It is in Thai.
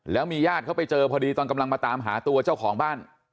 แล้วมีญาติเขาไปเจอพอดีตอนกำลังมาตามหาตัวเจ้าของบ้าน